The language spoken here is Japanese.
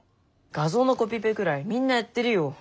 画像のコピペぐらいみんなやってるよ。